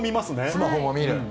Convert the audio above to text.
スマホも見る。